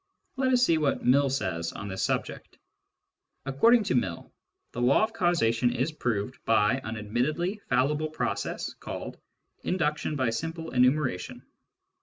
Let us see what Mill says on this subject. According to Mill, the law of causation is proved by an admittedly fallible process called " induction by simple enumeration."